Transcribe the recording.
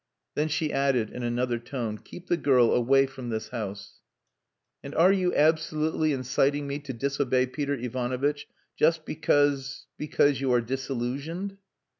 Then she added, in another tone, "Keep the girl away from this house." "And are you absolutely inciting me to disobey Peter Ivanovitch just because because you are disillusioned?"